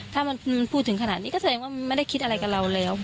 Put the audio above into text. ถ้ามันพูดถึงขนาดนี้ก็แสดงว่าไม่ได้คิดอะไรกับเราแล้ว